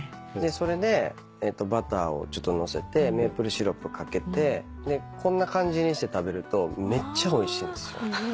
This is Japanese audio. それでバターをちょっとのせてメープルシロップかけてこんな感じにして食べるとめっちゃおいしいんすよ。